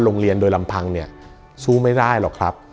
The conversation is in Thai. โรงเรียนโดยลำพังเนี่ยสู้ไม่ได้หรอกครับ